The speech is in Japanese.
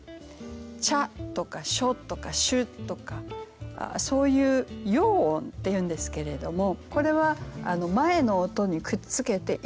「チャ」とか「ショ」とか「シュ」とかそういう拗音っていうんですけれどもこれは前の音にくっつけて一音と数えるんです。